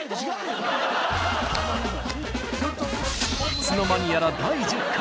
いつの間にやら第１０回。